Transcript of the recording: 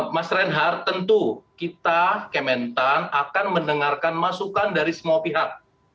mas reinhardt tentu kita kementan akan mendengarkan masukan dari semua pihak